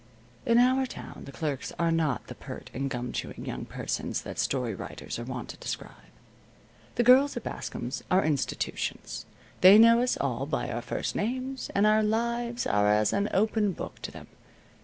In our town the clerks are not the pert and gum chewing young persons that story writers are wont to describe. The girls at Bascom's are institutions. They know us all by our first names, and our lives are as an open book to them.